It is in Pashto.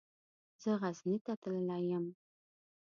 زه غزني ته تللی يم.